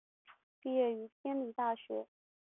毕业于天理大学。